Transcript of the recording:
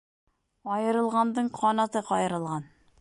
Айырылғандың ҡанаты ҡайырылған.